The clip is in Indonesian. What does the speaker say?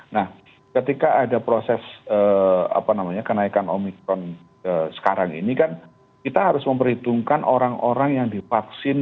nah ketika ada proses kenaikan omikron sekarang ini kan kita harus memperhitungkan orang orang yang divaksin